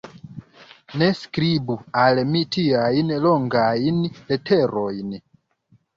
Ne skribu al mi tiajn longajn leterojn.